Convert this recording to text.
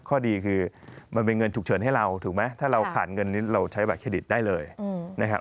ข้อดีคือมันเป็นเงินฉุกเฉินให้เราถูกไหมถ้าเราขาดเงินนี้เราใช้บัตรเครดิตได้เลยนะครับ